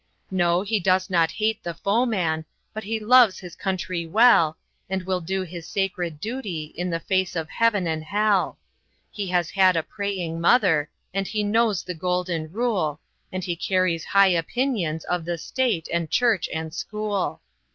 No, he does not hate the foeman, But he loves his country well, And will do his sacred duty In the face of heaven and hell. He has had a praying mother, And he knows the golden rule, And he carries high opinions Of the state and church and school.